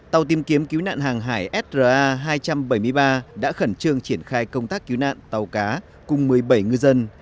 tàu tìm kiếm cứu nạn hàng hải sa hai trăm bảy mươi ba đã khẩn trương triển khai công tác cứu nạn tàu cá cùng một mươi bảy ngư dân